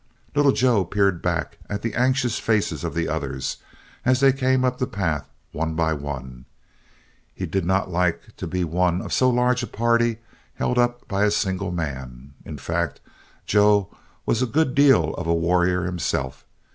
Little Joe peered back at the anxious faces of the others, as they came up the path one by one. He did not like to be one of so large a party held up by a single man. In fact, Joe was a good deal of a warrior himself.